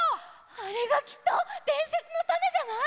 あれがきっとでんせつのタネじゃない？